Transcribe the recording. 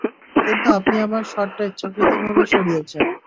আপনি কিন্তু আমার শটটা ইচ্ছাকৃতভাবে সরিয়েছেন!